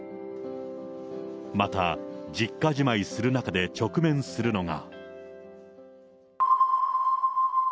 また、実家じまいする中で直面するのが。